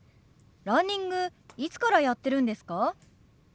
ランニングいつからやってるんですか？